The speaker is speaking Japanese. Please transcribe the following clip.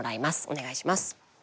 お願いします。